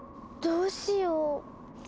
どうしよう。